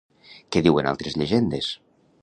Què diuen altres llegendes?